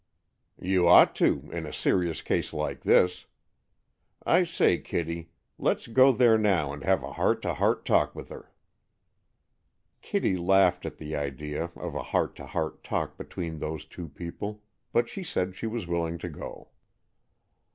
"You ought to, in a serious case like this. I say, Kitty, let's go there now and have a heart to heart talk with her." Kitty laughed at the idea of a heart to heart talk between those two people, but said she was willing to go.